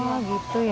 oh gitu ya